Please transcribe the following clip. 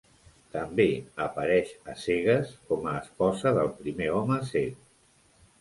També apareix a "A cegues" com a esposa del primer home cec.